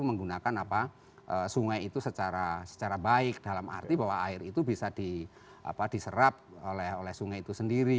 menggunakan sungai itu secara baik dalam arti bahwa air itu bisa diserap oleh sungai itu sendiri